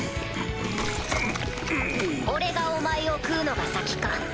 俺がお前を食うのが先か。